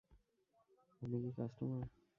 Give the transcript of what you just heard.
আপনি কি কাস্টমার?